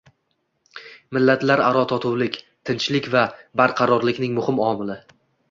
Millatlararo totuvlik – tinchlik va barqarorlikning muhim omili